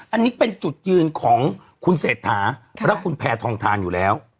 อันนี้เป็นจุดยืนของคุณเศรษฐาและคุณแพทองทานอยู่แล้ว